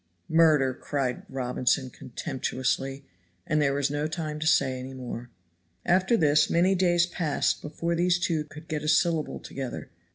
"Murder!" cried Robinson contemptuously. And there was no time to say any more. After this many days passed before these two could get a syllable together.